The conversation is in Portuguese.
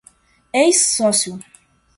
ex-sócio